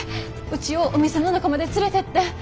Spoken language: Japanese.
うちをお店の中まで連れてって。